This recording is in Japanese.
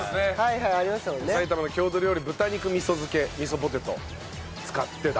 埼玉の郷土料理豚肉味噌漬け味噌ポテト使ってだ。